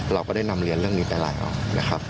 เราก็ได้นำเรียนเรื่องนี้ไปแล้วนะครับ